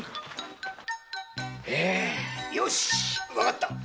よしわかった。